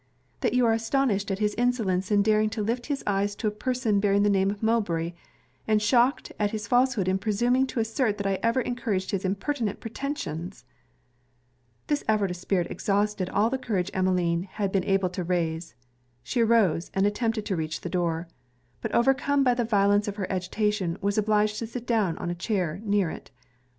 'That you are astonished at his insolence in daring to lift his eyes to a person bearing the name of Mowbray; and shocked at his falsehood in presuming to assert that I ever encouraged his impertinent pretensions!' This effort of spirit exhausted all the courage Emmeline had been able to raise. She arose, and attempted to reach the door; but overcome by the violence of her agitation, was obliged to sit down in a chair near it.